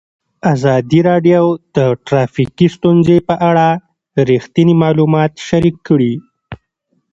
ازادي راډیو د ټرافیکي ستونزې په اړه رښتیني معلومات شریک کړي.